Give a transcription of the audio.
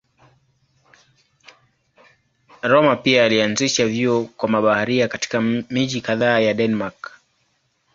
Rømer pia alianzisha vyuo kwa mabaharia katika miji kadhaa ya Denmark.